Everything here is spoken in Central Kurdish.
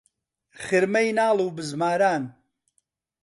خرمەی ناڵ و بزماران